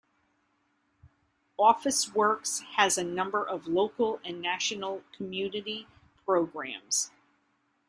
Officeworks has a number of local and national community programs.